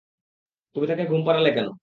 তুমি তাকে ঘুম পাড়ালে কেন?